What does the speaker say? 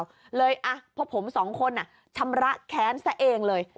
หรือเปล่าเลยอ่ะพวกผมสองคนน่ะชำระแค้นซะเองเลย